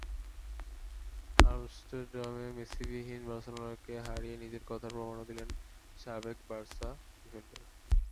আমস্টারডামে মেসিবিহীন বার্সেলোনাকে হারিয়ে নিজের কথার প্রমাণও দিলেন সাবেক বার্সা ডিফেন্ডার।